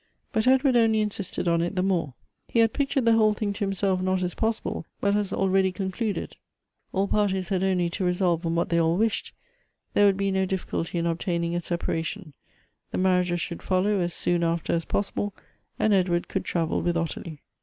But Edward only insisted on it the more. He had pictured the whole thing to himself not as possible, but as already concluded ; all parties had only to resolve on what they all wished ; there would be no difficulty in obtaining a separation ; the marriages should follow as soon after as possible, and Edward could travel with Ottilie.